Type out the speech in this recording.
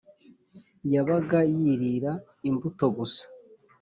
yagaba yirira imbuto gusa